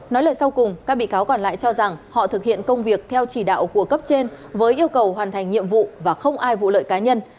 nói lời sau cùng các bị cáo còn lại cho rằng họ thực hiện công việc theo chỉ đạo của cấp trên với yêu cầu hoàn thành nhiệm vụ và không ai vụ lợi cá nhân